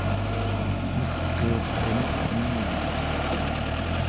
nerqiuq qimugteminek